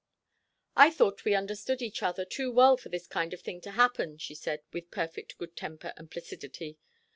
"I thought we understood each other too well for this kind of thing to happen," she said, with perfect good temper and placidity.